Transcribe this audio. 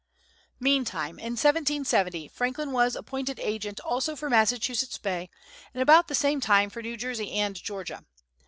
Meantime, in 1770, Franklin was appointed agent also for Massachusetts Bay, and about the same time for New Jersey and Georgia.